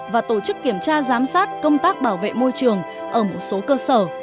và tổ chức kiểm tra giám sát công tác bảo vệ môi trường ở một số cơ sở